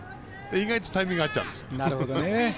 意外とタイミング合っちゃうんですよ。